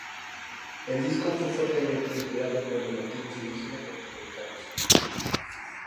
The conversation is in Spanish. El disco fue fuertemente inspirado por los nativos indígenas norteamericanos.